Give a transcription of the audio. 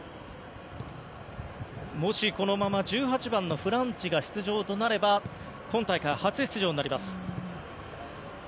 もしこのまま１８番のフランチが出場となれば今大会初出場になります。